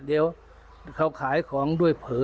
เดี๋ยวเขาขายของด้วยเผลอ